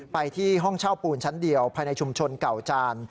ไปที่ห้องเช่าปูนชั้นเดียวภายในชุมชนเก่าจาน